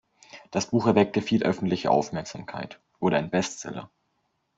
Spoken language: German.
Das Buch erweckte viel öffentliche Aufmerksamkeit, wurde ein "Bestseller".